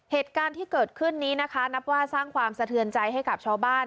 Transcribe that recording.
เหตุการณ์ที่เกิดขึ้นนี้นะคะนับว่าสร้างความสะเทือนใจให้กับชาวบ้าน